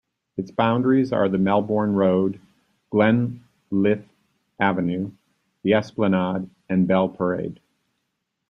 Its boundaries are the Melbourne Road, Glenleith Avenue, The Esplanade and Bell Parade.